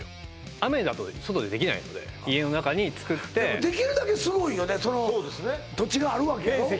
雨だと外でできないので家の中に作ってできるだけすごいよねその土地があるわけやろ？